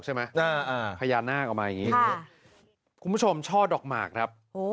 ใช่ไหมอ่าอ่าพยานาคออกมาอย่างงี้คุณผู้ชมชอบดอกหมากครับโอ้